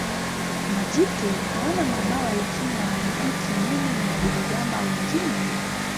Majike hawana mabawa lakini wana miguu kinyume na wadudu-gamba wengine.